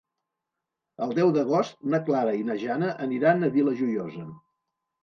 El deu d'agost na Clara i na Jana aniran a la Vila Joiosa.